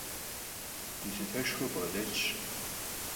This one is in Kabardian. Gulhıteşşxue bğedelhş.